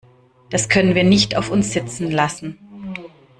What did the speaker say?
Das können wir nicht auf uns sitzen lassen!